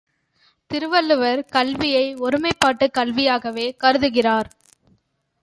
திருவள்ளுவர் கல்வியை ஒருமைப்பாட்டுக் கல்வியாகவே கருதுகிறார்.